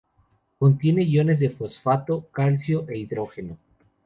Contiene iones de fosfato, calcio e hidrógeno.